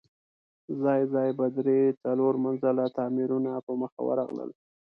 ځای ځای به درې، څلور منزله تاميرونه په مخه ورغلل.